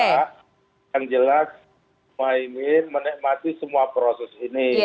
yang jelas pak imin menikmati semua proses ini